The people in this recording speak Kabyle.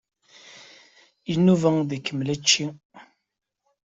Inuba ad ikemmel učči.